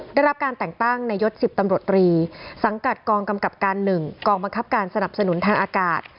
ได้รับการแต่งตั้งในยศ๑๐ตำรวจตรีสังกัดกองกำกับการ๑กองบังคับการสนับสนุนทางอากาศ